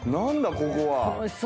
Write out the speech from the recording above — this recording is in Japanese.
ここは。